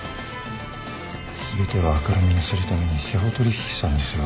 全てを明るみにするために司法取引したんですよ。